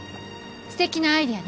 すてきなアイデアね。